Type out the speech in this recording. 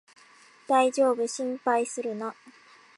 だいじょうぶ、心配するな